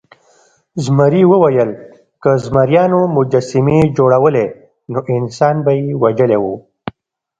زمري وویل که زمریانو مجسمې جوړولی نو انسان به یې وژلی و.